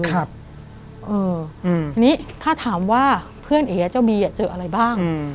เออถ้านี้ถ้าถามว่าเพื่อนเนยะเจ้าบีอะเจออะไรบ้าง